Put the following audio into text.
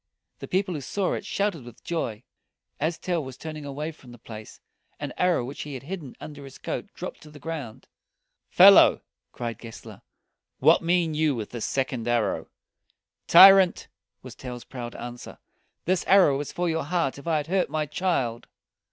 The people who saw it shouted with joy. As Tell was turning away from the place, an arrow which he had hidden under his coat dropped to the ground. "Fellow!" cried Gessler, "what mean you with this second arrow?" "Tyrant!" was Tell's proud answer, "this arrow was for your heart if I had hurt my child."